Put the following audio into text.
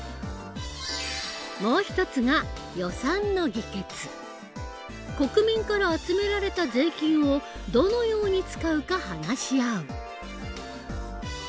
もう一つが国民から集められた税金をどのように使うか話し合う。